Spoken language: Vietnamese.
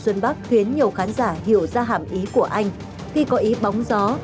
xuân bắc khiến nhiều khán giả hiểu ra hàm ý của anh khi có ý bóng gió